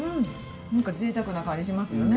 何かぜいたくな感じしますよね。